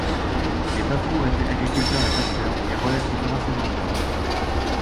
Les Bafours étaient agriculteurs et pasteurs, et relativement sédentaires.